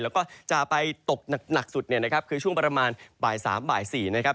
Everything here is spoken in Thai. แล้วก็จะไปตกหนักสุดเนี่ยนะครับคือช่วงประมาณบ่าย๓บ่าย๔นะครับ